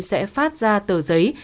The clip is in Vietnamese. sẽ phát ra tờ giấy